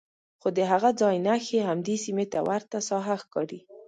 خو د هغه ځای نښې همدې سیمې ته ورته ساحه ښکاري.